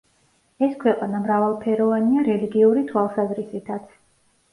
ეს ქვეყანა მრავალფეროვანია რელიგიური თვალსაზრისითაც.